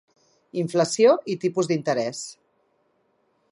Inflació i tipus d'interès.